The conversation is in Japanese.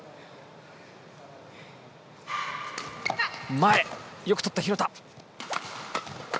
前よくとった廣田。